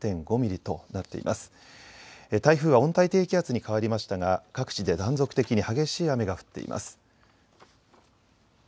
台風は温帯低気圧に変わりましたが各地で断続的に激しい雨が降っています。